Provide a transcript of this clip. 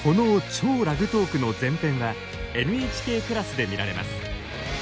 超ラグトークの全編はＮＨＫプラスで見られます。